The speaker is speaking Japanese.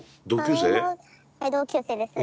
それのはい同級生です。